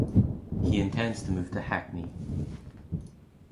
He intends to move to Hackney.